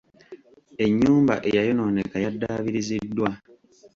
Ennyumba eyayonooneka yaddaabiriziddwa.